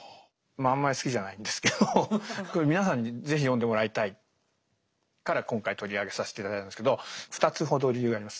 まああんまり好きじゃないんですけどこれ皆さんに是非読んでもらいたいから今回取り上げさせて頂いたんですけど２つほど理由があります。